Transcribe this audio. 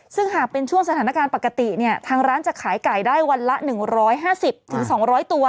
ซึ่งหากเป็นช่วงสถานการณ์ปกติเนี่ยทางร้านจะขายไก่ได้วันละ๑๕๐๒๐๐ตัว